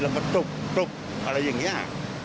เรามาจุบจุบอะไรอย่างเงี้ย